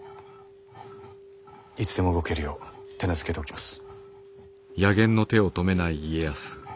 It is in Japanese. いつでも動けるよう手なずけておきます。